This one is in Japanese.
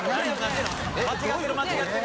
間違ってる間違ってる！